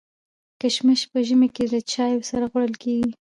کشمش په ژمي کي د چايو سره خوړل کيږي.